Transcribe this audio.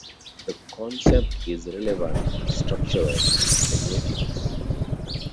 The concept is relevant in structural semiotics.